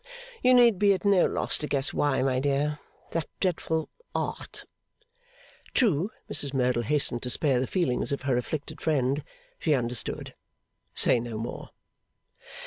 You need be at no loss to guess why, my dear. That dreadful Art ' True. Mrs Merdle hastened to spare the feelings of her afflicted friend. She understood. Say no more!